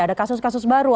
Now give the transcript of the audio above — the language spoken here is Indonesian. ada kasus kasus baru